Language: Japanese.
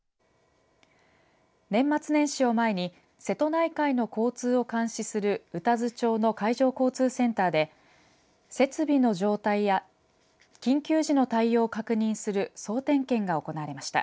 年末年始を前に瀬戸内海の交通を監視する宇多津町の海上交通センターで設備の状態や緊急時の対応を確認する総点検が行われました。